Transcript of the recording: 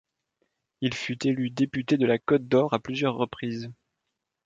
Il fut élu député de la Côte-d'Or à plusieurs reprises.